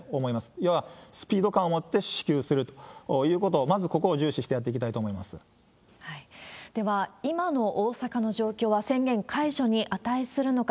要はスピード感を持って支給するということを、まずここを重視しでは、今の大阪の状況は宣言解除に値するのか。